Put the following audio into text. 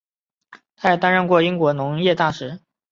他也担任过英国农业大臣。